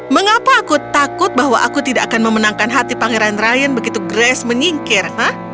mengapa aku takut bahwa aku tidak akan memenangkan hati pangeran ryan begitu grace menyingkir